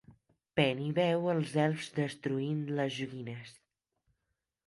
Penny veu els elfs destruint les joguines.